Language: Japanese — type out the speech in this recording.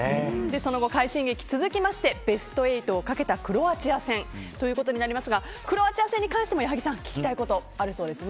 その後、快進撃が続きましてベスト８をかけたクロアチア戦となりますがクロアチア戦に関しても矢作さん聞きたいことがあるそうですね。